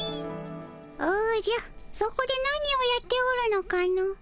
おじゃそこで何をやっておるのかの？